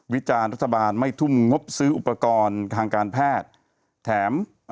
วิจารณ์รัฐบาลไม่ทุ่มงบซื้ออุปกรณ์ทางการแพทย์แถม